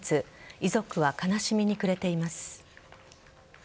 遺族は悲しみに暮れています。